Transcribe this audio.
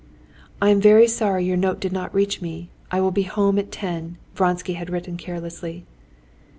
"I am very sorry your note did not reach me. I will be home at ten," Vronsky had written carelessly....